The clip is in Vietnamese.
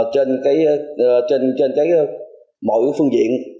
trên mọi phương diện